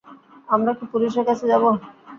আমরা কি পুলিশের কাছে যাব?